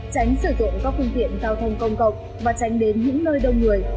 tránh sử dụng các phương tiện giao thông công cộng và tránh đến những nơi đông người